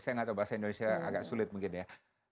saya nggak tahu bahasa indonesia agak sulit mungkin ya